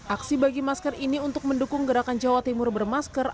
aksi bagi masker ini untuk mendukung gerakan jawa timur bermasker